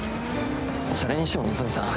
それにしても望美さん